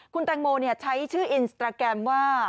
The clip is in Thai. คุณแตงโมใช้ชื่ออินสตราแกรมว่า